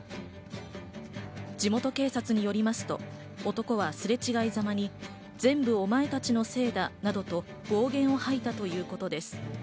地元警察によりますと、男はすれ違いざまに全部お前たちのせいだなどと暴言を吐いたということです。